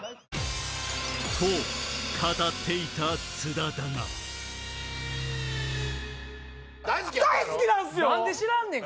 と語っていた津田だが何で知らんねん！